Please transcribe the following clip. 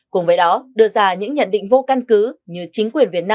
cùng với đó đưa ra những nhận định vô căn cứ như chính quyền việt nam